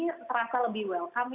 di sini terasa lebih well